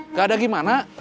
nggak ada gimana